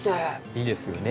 いいですよね。